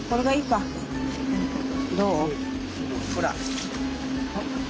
どう？